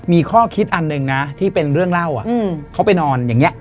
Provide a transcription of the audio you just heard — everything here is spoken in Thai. มีข้อคิดอันหนึ่งนะที่เป็นเรื่องเล่าเขาไปนอนอย่างนี้